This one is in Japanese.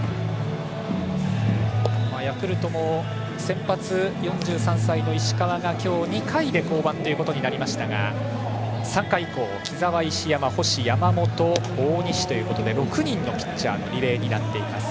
ヤクルトも先発の４３歳の石川が今日、２回で降板となりましたが３回以降、木澤、石山、星山本、大西ということで６人のピッチャーのリレーです。